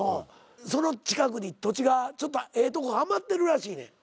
その近くに土地がええとこが余ってるらしいねん。